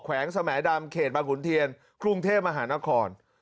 วงสมดำเขตบางขุนเทียนกรุงเทพมหานคร